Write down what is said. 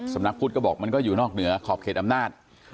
สำนักพุทธก็บอกมันก็อยู่นอกเหนือขอบเขตอำนาจ